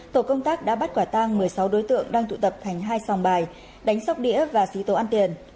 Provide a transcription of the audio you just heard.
tổ công tác đã bắt quả tang một mươi sáu đối tượng đang tụ tập thành hai sòng bài đánh sóc đĩa và xí tố ăn tiền